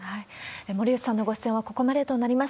森内さんのご出演はここまでとなります。